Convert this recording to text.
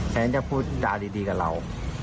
แท้งจะพูดจาดีกับเรา